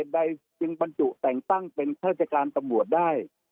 ใดจึงปรรจุแต่งตั้งเป็นท่าจักรการตำบวชได้